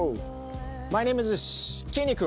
マイネームイズきんに君。